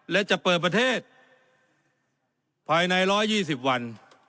และจะเปิดประเทศภายใน๑๒๐วัน